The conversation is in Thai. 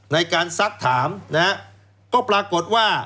ในการซัดถามนะฮะก็ปรากฏว่า